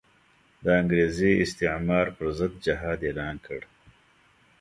د انګریزي استعمار پر ضد جهاد اعلان کړ.